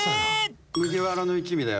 麦わらの一味だよ。